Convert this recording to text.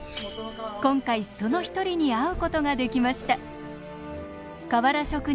今回その一人に会うことができました。